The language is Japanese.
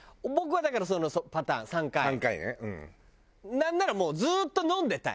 なんならもうずーっと飲んでたい。